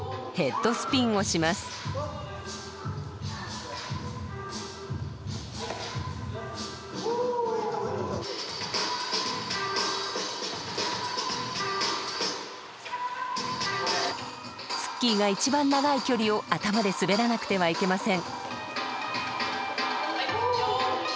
ＴＳＵＫＫＩが一番長い距離を頭で滑らなくてはいけません。